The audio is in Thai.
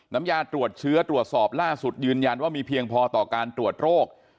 น้ำยาตรวจเชื้อตรวจสอบล่าสุดยืนยันว่ามีเพียงพอต่อการตรวจโรค